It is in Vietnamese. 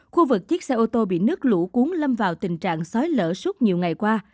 khu vực chiếc xe ô tô bị nước lũ cuốn lâm vào tình trạng sói lở suốt nhiều ngày qua